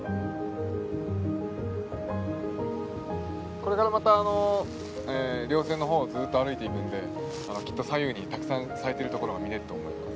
これからまた稜線の方をずっと歩いていくんできっと左右にたくさん咲いてるところが見れると思います。